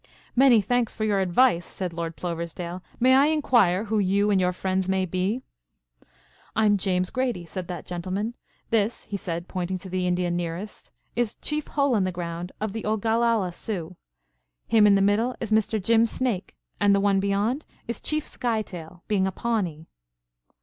"Many thanks for your advice," said Lord Ploversdale. "May I inquire who you and your friends may be?" "I'm James Grady," said that gentleman. "This," he said, pointing to the Indian nearest, "is Chief Hole in the Ground of the Olgallala Sioux. Him in the middle is Mr. Jim Snake, and the one beyond is Chief Skytail, being a Pawnee."